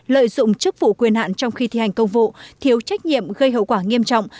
lợi dụng chức vụ quyền hạn trong khi thi hành công vụ thiếu trách nhiệm gây hậu quả nghiêm trọng